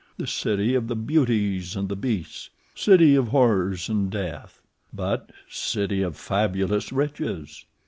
The city of the beauties and the beasts. City of horrors and death; but—city of fabulous riches."